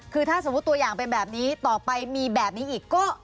คือถ้าสมมุติตัวอย่างเป็นแบบนี้ต่อไปมีแบบนี้อีกก็